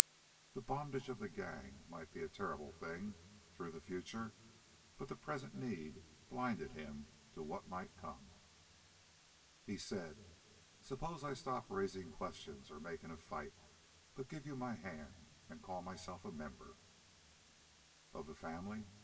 The bondage of the gang might be a terrible thing through the future, but the present need blinded him to what might come. He said: "Suppose I stop raising questions or making a fight, but give you my hand and call myself a member " "Of the family?